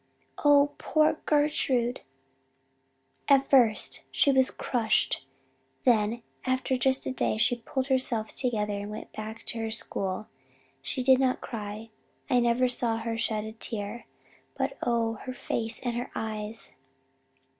"Oh, poor Gertrude! At first she was crushed. Then after just a day she pulled herself together and went back to her school. She did not cry I never saw her shed a tear but oh, her face and her eyes!